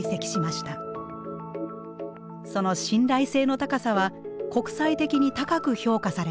その信頼性の高さは国際的に高く評価されています。